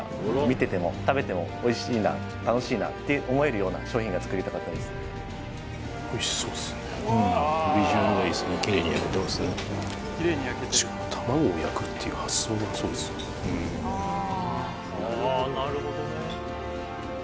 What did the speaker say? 見てても食べてもおいしいな楽しいなって思えるような商品が作りたかったですビジュアルがいいっすね